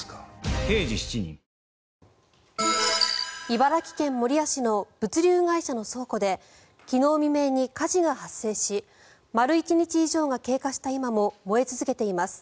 茨城県守谷市の物流会社の倉庫で昨日未明に火事が発生し丸１日以上が経過した今も燃え続けています。